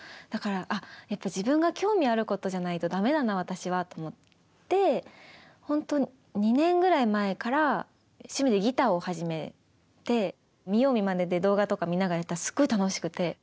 だから「あっやっぱり自分が興味あることじゃないと駄目なんだ私は」と思ってほんと２年ぐらい前から趣味でギターを始めて見よう見まねで動画とか見ながらやったらすごい楽しくて。